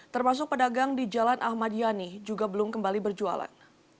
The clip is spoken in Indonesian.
termasuk pedagang di jalan ahmadiani juga belum kembali berjualan